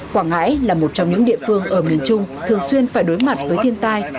quảng ngãi là một trong những địa phương ở miền trung thường xuyên phải đối mặt với thiên tai